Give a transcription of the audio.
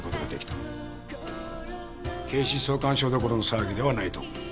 警視総監賞どころの騒ぎではないと思う。